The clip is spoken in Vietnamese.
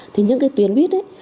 thì những cái tuyến buýt ấy